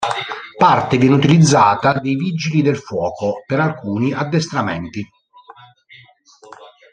Parte viene utilizzata dei vigili del fuoco per alcuni addestramenti.